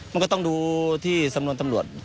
มันก็ต้องดูที่สำรวจ